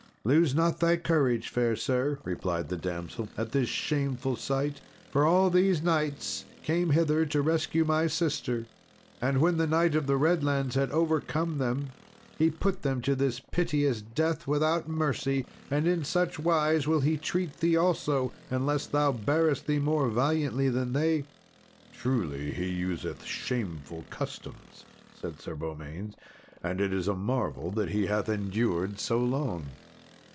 "Lose not thy courage, fair sir," replied the damsel, "at this shameful sight, for all these knights came hither to rescue my sister; and when the Knight of the Redlands had overcome them, he put them to this piteous death, without mercy; and in such wise will he treat thee also unless thou bearest thee more valiantly than they." "Truly he useth shameful customs," said Sir Beaumains; "and it is a marvel that he hath endured so long."